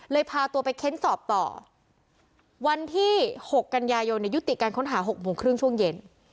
พาตัวไปเค้นสอบต่อวันที่๖กันยายนยุติการค้นหา๖โมงครึ่งช่วงเย็น